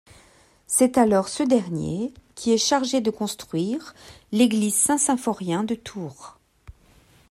C'est alors ce dernier qui est chargé de construire l’Église Saint-Symphorien de Tours.